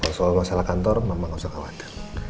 tenang aja kalau masalah kantor mama gausah khawatir